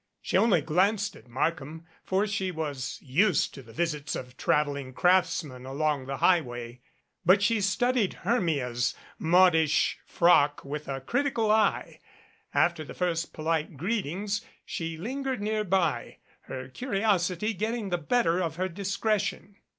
She only glanced at Markham, for she was used to the visits of traveling craftsmen along the high way but she studied Hermia's modish frock with a crit ical eye. After the first polite greetings she lingered nearby, her curiosity getting the better of her discretion.